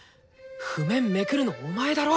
譜面めくるのお前だろ！